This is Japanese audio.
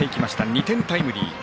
２点タイムリー。